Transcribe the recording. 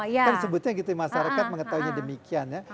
kan sebutnya gitu masyarakat mengetahuinya demikian ya